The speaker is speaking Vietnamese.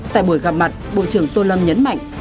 tại buổi gặp mặt bộ trưởng tô lâm nhấn mạnh